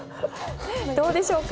どうでしょうか？